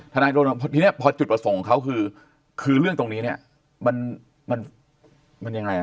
ทนายโดนลงพอจุดประสงค์ของเขาคือคือเรื่องตรงนี้เนี่ยมันมันมันยังไง